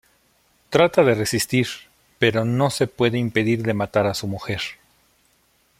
Trata de resistir pero no se puede impedir de matar a su mujer.